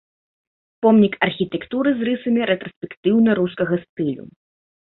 Помнік архітэктуры з рысамі рэтраспектыўна-рускага стылю.